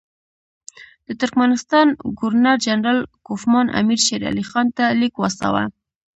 د ترکمنستان ګورنر جنرال کوفمان امیر شېر علي خان ته لیک واستاوه.